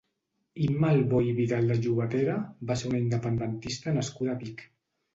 Imma Albó i Vidal de Llobatera va ser una independentista nascuda a Vic.